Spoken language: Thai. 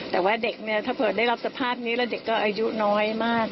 แต่ว่าเด็กเนี่ยถ้าเผื่อได้รับสภาพนี้แล้วเด็กก็อายุน้อยมาก